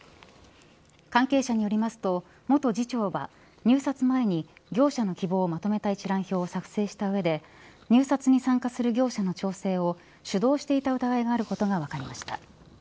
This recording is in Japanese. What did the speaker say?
関係者によりますと元次長は入札前に業者の希望をまとめた一覧表を作成した上で入札に参加する業者の調整を主導していた疑いがあることが分かりました。